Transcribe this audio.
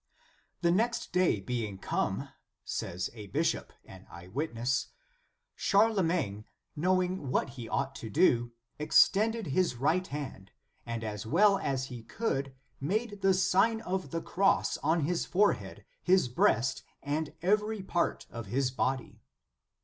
"The next day being come," says a bishop, an eye witness, "Char lemagne, knowing what he ought to do, ex tended his right hand, and as well as he could made the Sign of the Cross on his forehead, his breast, and every part of his body."